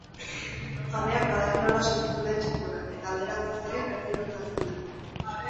Jabeak badaki nola sentitzen den txakurra, eta alderantziz ere berdin gertatzen da.